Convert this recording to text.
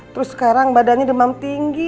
terus sekarang badannya demam tinggi